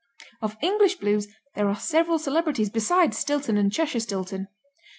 Of English Blues there are several celebrities beside Stilton and Cheshire Stilton.